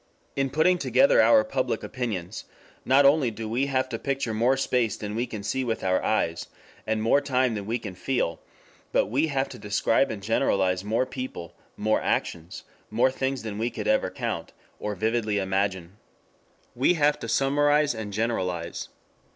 8 In putting together our public opinions, not only do we have to picture more space than we can see with our eyes, and more time than we can feel, but we have to describe and judge more people, more actions, more things than we can ever count, or vividly imagine. We have to summarize and generalize.